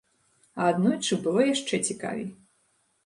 А аднойчы было яшчэ цікавей.